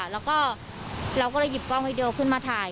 แล้วก็เราก็เลยหยิบกล้องวิดีโอขึ้นมาถ่าย